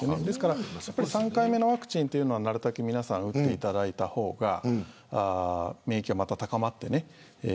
ですから、３回目のワクチンというのはなるべく皆さん打っていただいた方が免疫がまた高まってね。